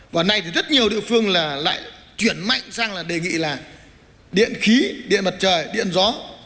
và nay thì rất nhiều địa phương là lại chuyển mạnh sang là đề nghị là điện khí điện mặt trời điện gió